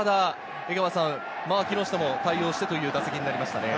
うまく木下も対応してという打席になりましたね。